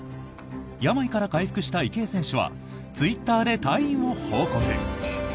病から回復した池江選手はツイッターで退院を報告。